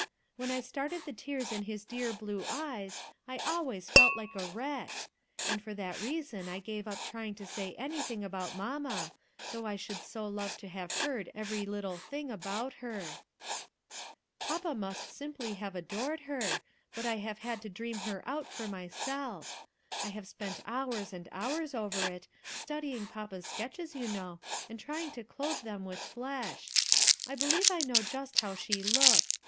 When I started the tears in bis dear blue eyes, I always felt like a wretch ! and for that reason I gave up trying to say anything about mamma, though I should so love to have heard every liulo thing about her. Papa must simply have adored her, but I have had to dream her out for myself. I have spent hours and hours over it, studying papa's sketches, you know, and trying to clothe them with flesh. I believe I know just how she looked.